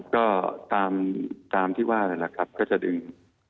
ค่ะก็ตามที่ว่าอะไรล่ะครับก็จะดึง